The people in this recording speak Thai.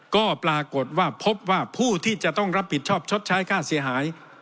ก็ปรากฏว่าพบว่าผู้ที่จะต้องรับผิดชอบชดใช้ค่าเสียหาย